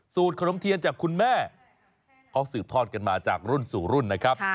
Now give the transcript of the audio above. ขนมเทียนจากคุณแม่เขาสืบทอดกันมาจากรุ่นสู่รุ่นนะครับ